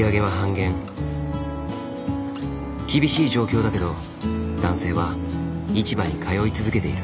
厳しい状況だけど男性は市場に通い続けている。